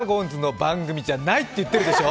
ドラゴンズの番組じゃない！って言ってるでしょう。